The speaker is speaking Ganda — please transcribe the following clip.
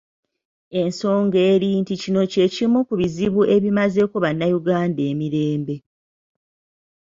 Ensonga eri nti kino kye kimu ku bizibu ebimazeeko bannayuganda emirembe